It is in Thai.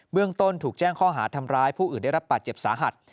เมืองต้นถูกแจ้งข้อหาทำร้ายผู้อื่นได้รับบาดเจ็บสาหัส